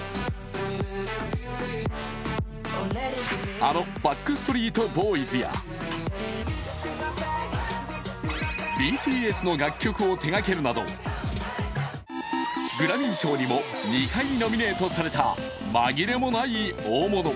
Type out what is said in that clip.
あのバックストリート・ボーイズやＢＴＳの楽曲を手がけるなどグラミー賞にも２回ノミネートされた紛れもない大物。